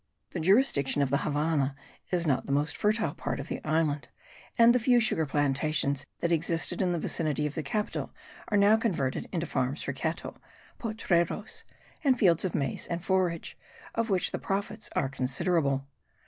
The jurisdiction of the Havannah is not the most fertile part of the island; and the few sugar plantations that existed in the vicinity of the capital are now converted into farms for cattle (potreros) and fields of maize and forage, of which the profits are considerable.